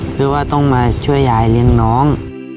เพื่อว่าต้องมาช่วยยายเลี้ยงน้อง